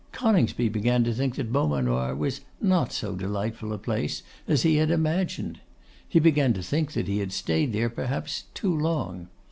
Coningsby began to think that Beaumanoir was not so delightful a place as he had imagined. He began to think that he had stayed there perhaps too long.